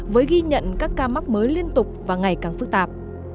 với ghi nhận các ca mắc mới liên tục và ngày càng phức tạp